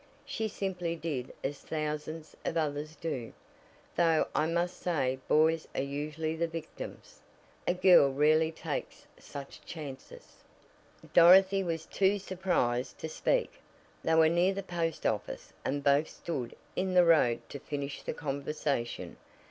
She simply did as thousands of others do, though I must say boys are usually the victims. A girl rarely takes such chances." Dorothy was too surprised to speak. They were near the post office, and both stood in the road to finish the conversation.